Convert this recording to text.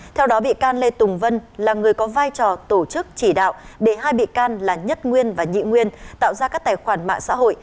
theo đó bị can lê tùng vân là người có vai trò tổ chức chỉ đạo để hai bị can là nhất nguyên và nhị nguyên tạo ra các tài khoản mạng xã hội